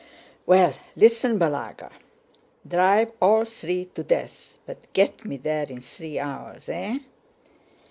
"Well, listen, Balagá! Drive all three to death but get me there in three hours. Eh?"